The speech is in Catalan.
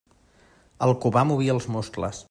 El Cubà movia els muscles.